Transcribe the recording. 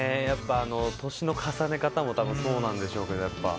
やっぱ年の重ね方も多分そうなんでしょうけど。